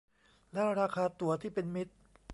และราคาตั๋วที่เป็นมิตร